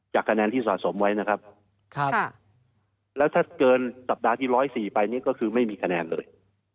คะแนนที่สะสมไว้นะครับแล้วถ้าเกินสัปดาห์ที่๑๐๔ไปนี่ก็คือไม่มีคะแนนเลย